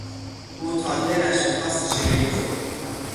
او تا دلش میخواست شیرینی خورد.